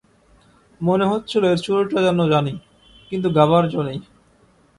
মনে হচ্ছিল এর সুরটা যেন জানি, কিন্তু গাবার জো নেই!